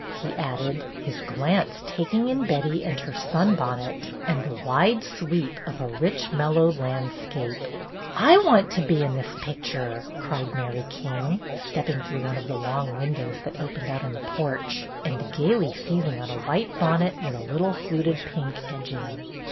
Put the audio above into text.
he added, his glance taking in Betty and her sunbonnet and the wide sweep of a rich, mellow land scape. "I want to be in this picture!" cried Mary King, stepping through one of the long win dows that opened out on the porch and gayly THIS WAY FOR MARYLAND! 283 seizing on a white bonnet with a little fluted pink edging.